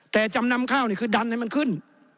แต่จำนำข้าวนี่คือดันให้มันขึ้น